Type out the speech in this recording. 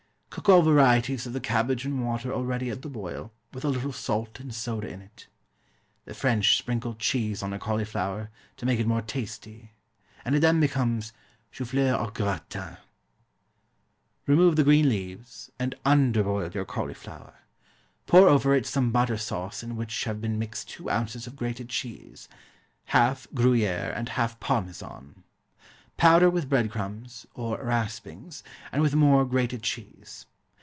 Cook all varieties of the cabbage in water already at the boil, with a little salt and soda in it. The French sprinkle cheese on a cauliflower, to make it more tasty, and it then becomes Choufleur aû Gratin. Remove the green leaves, and underboil your cauliflower. Pour over it some butter sauce in which have been mixed two ounces of grated cheese half Gruyère and half Parmesan. Powder with bread crumbs, or raspings, and with more grated cheese.